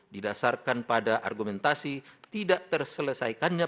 didasarkan pada argumentasi tidak terselesaikannya